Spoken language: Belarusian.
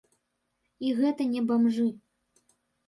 І гэта не бамжы.